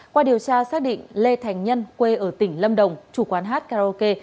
qua điều tra xác định lê thành nhân quê ở tỉnh lâm đồng chủ quán karaoke